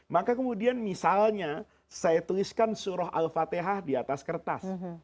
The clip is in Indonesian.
maka kemudian misalnya saya tuliskan surah al fatihah di atas kertas